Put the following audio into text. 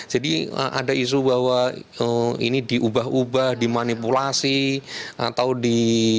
jadi ada isu bahwa ini diubah ubah dimanipulasi atau di